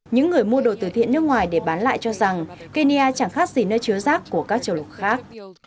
những người mua đồ từ thiện nước ngoài để bán lại cho rằng kenya chẳng khác gì nơi chứa rác của các châu lục khác